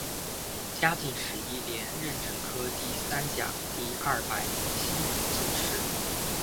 嘉靖十一年壬辰科第三甲第二百零七名进士。